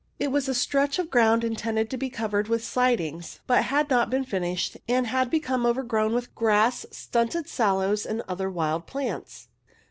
It was a stretch of ground intended to be covered with sidings, but had not been finished, and had become overgrown with grass, stunted sallows, and other wild plants.